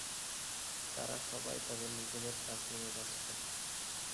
তারা সবাই তাদের নিজেদের কাজ নিয়ে ব্যস্ত।